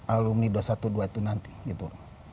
alumni dua ratus dua belas itu nanti gitu